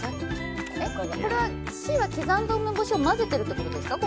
これはＣは刻んだ梅干しを混ぜてるってことですか？